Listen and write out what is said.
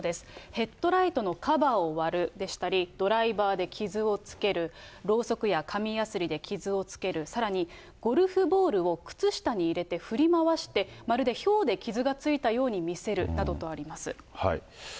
ヘッドライトのカバーを割るでしたり、ドライバーで傷をつける、ろうそくや紙やすりで傷をつける、さらに、ゴルフボールを靴下に入れて振り回して、まるでひょうで傷がついたように見せるなどとあります。